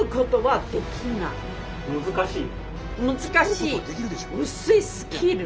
難しい？